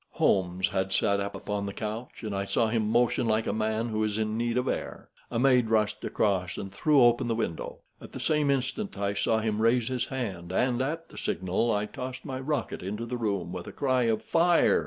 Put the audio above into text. Holmes had sat upon the couch, and I saw him motion like a man who is in need of air. A maid rushed across and threw open the window. At the same instant I saw him raise his hand, and at the signal I tossed my rocket into the room with a cry of "Fire!"